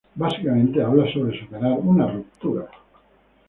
Básicamente, habla sobre superar una ruptura.